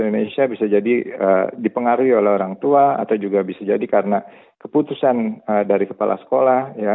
indonesia bisa jadi dipengaruhi oleh orang tua atau juga bisa jadi karena keputusan dari kepala sekolah